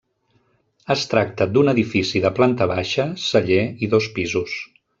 Es tracta d'un edifici de planta baixa, celler i dos pisos.